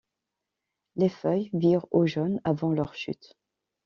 Les feuilles virent au jaune avant leur chute.